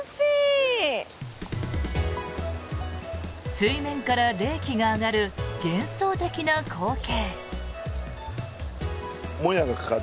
水面から冷気が上がる幻想的な光景。